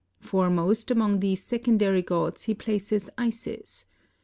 Foremost among these secondary gods he places Isis.